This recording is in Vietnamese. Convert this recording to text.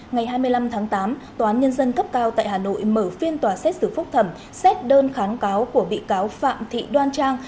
ngày hai mươi năm tháng tám tòa án nhân dân cấp cao tại hà nội mở phiên tòa xét xử phúc thẩm xét đơn kháng cáo của bị cáo phạm thị đoan trang